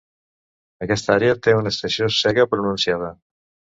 Aquesta àrea té una estació seca pronunciada.